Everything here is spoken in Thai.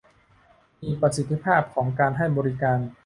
มีประสิทธิภาพของการให้บริการ